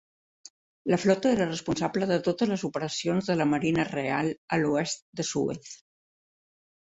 La flota era responsable de totes les operacions de la Marina Real a "l'oest de Suez".